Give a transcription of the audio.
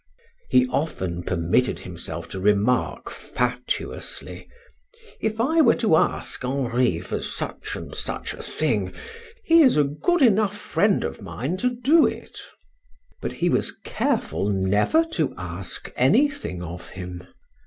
He often permitted himself to remark fatuously: "If I were to ask Henri for such and such a thing, he is a good enough friend of mine to do it." But he was careful never to ask anything of him.